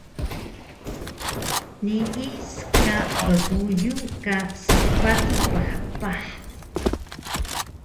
Nii ska bbuyu ka spac phpah